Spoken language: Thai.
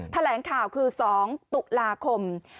แถลงข่าวคือ๒ตุลาคม